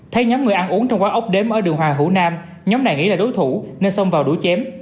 thấy nhóm người ăn uống trong quán ốc đếm ở đường hoàng hữu nam nhóm này nghĩ là đối thủ nên xông vào đuổi chém